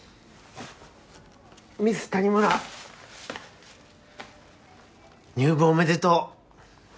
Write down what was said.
ミス谷村入部おめでとう。